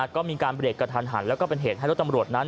ก็มีการเบรกกระทันหันแล้วก็เป็นเหตุให้รถตำรวจนั้น